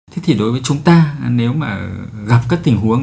thế thì đối với chúng ta nếu mà gặp các tình huống